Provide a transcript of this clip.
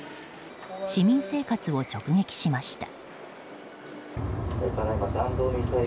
市民生活を直撃しました。